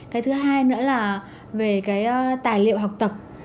cái thứ hai nữa là về cái tài liệu học tập